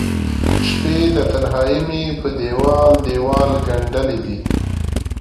شپې د تنهائې مې په دیوال، دیوال ګنډلې دي